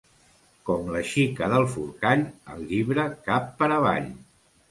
Com la xica del Forcall, el llibre cap per avall.